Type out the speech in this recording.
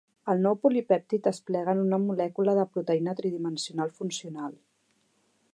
El nou polipèptid es plega en una molècula de proteïna tridimensional funcional.